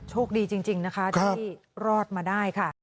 โชคดีจริงนะคะที่รอดมาได้ค่ะ